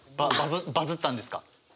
バズったんですか？